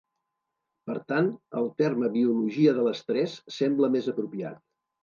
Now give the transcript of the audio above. Per tant, el terme "Biologia de l'estrès" sembla més apropiat.